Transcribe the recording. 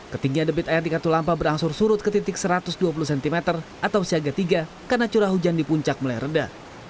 ketinggian debit air di katulampa berangsur surut ke titik satu ratus dua puluh cm atau siaga tiga karena curah hujan di puncak mulai reda